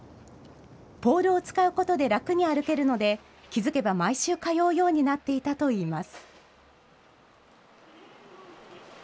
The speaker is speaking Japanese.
ポールを使うことで楽に歩けるので、気付けば毎週通うようになっていたといいます。